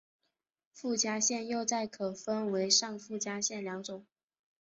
附加线又再可分为上附加线两种。